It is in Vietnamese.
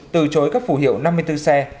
từ chối các phù hiệu năm mươi bốn xe